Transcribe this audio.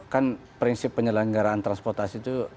kan prinsip penyelenggaraan transportasi itu